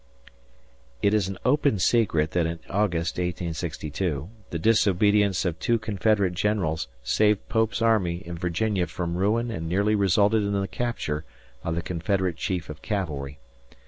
It is an open secret that in August, 1862, the disobedience of two Confederate generals saved Pope's army in Virginia from ruin and nearly resulted in the capture of the Confederate Chief of Cavalry.